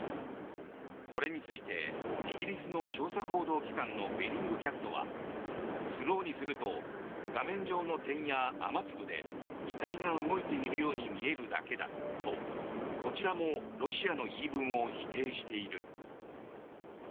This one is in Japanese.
これについてイギリスの調査報道機関のベリングキャットはスローにすると画面上の点や雨粒で遺体が動いているように見えるだけだとこちらもロシアの言い分を否定している。